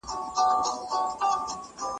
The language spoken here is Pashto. وروستیو لسیزو کې ټیلېسکوپونه حساس شوي دي.